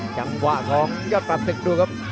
จังหวะของยอดปรับศึกดูครับ